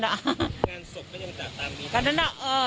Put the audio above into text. งานศพก็ยังจัดตามนี้